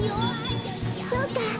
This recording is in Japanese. そうか。